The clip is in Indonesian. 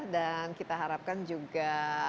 dan kita harapkan juga